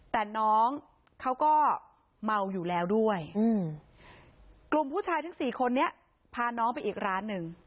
แต่น้องเขาก็เมาอยู่แล้วด้วยกลุ่มผู้ชายทั้งสี่คนนี้พาน้องไปอีกร้านหนึ่ง